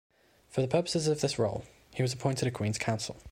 For the purposes of this role, he was appointed a Queen's Counsel.